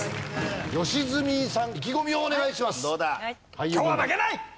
良純さん意気込みをお願いします！